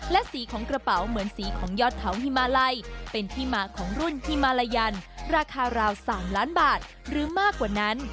และสีของกระเป๋าเหมือนสีของยอดเขาฮิมาลัยเป็นที่มาของรุ่นฮิมาลายันราคาราว๓ล้านบาทหรือมากกว่านั้น